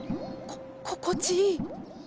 こ心地いい。